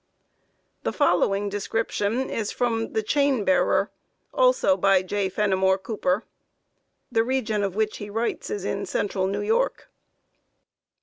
The following description is from "The Chainbearer," also by J. Fenimore Cooper. The region of which he writes is in Central New York.